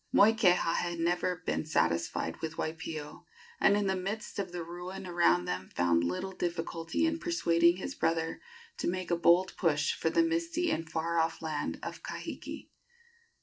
Moikeha had never been satisfied with Waipio, and in the midst of the ruin around them found little difficulty in persuading his brother to make a bold push for the misty and far off land of Kahiki.